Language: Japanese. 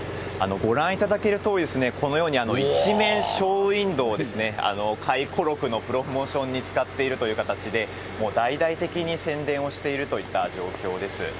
ご覧いただけるとおり、このように一面、ショーウィンドーを回顧録のプロモーションに使っているという形で、もう大々的に宣伝をしているといった状況です。